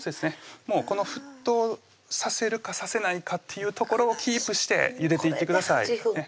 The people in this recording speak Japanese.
もうこの沸騰させるかさせないかっていうところをキープしてゆでていってください